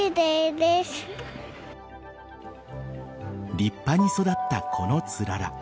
立派に育った、このつらら。